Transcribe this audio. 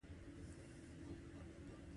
غواړم چې ستا پور ورکړم.